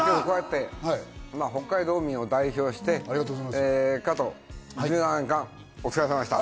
北海道民を代表して、加藤、１７年間、お疲れさまでした。